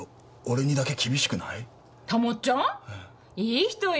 いい人よ。